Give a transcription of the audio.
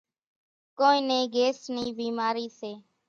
ڪونئين نين گھيس نِي ڀِيمارِي سي۔